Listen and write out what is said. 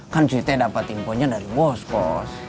kan cuy t dapat info nya dari boskos